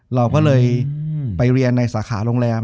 เราก็เลยไปเรียนในสาขาโรงแรม